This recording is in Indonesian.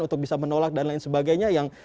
untuk bisa menolak dan lain sebagainya